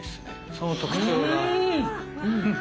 その特徴が。ああ。